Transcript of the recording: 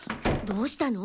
どうしたの？